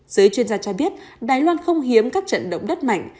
giới chuyên gia cho biết đài loan không hiếm các trận động đất mạnh